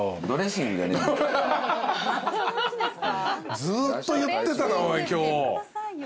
ずっと言ってたなおい今日。